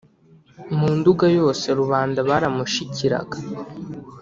mu Nduga yose rubanda baramushikiraga,